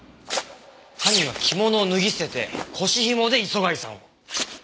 犯人は着物を脱ぎ捨てて腰紐で磯貝さんを。